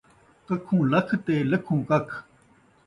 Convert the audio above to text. ککھوں لکھ تے لکھوں ککھ